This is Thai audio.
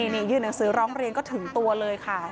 นี่ยื่นหนังสือร้องเรียนก็ถึงตัวเลยค่ะ